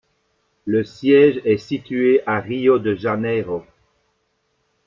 Le siège est situé à Rio de Janeiro.